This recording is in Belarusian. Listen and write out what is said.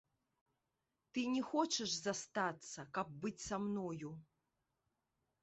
Ты не хочаш застацца, каб быць са мною.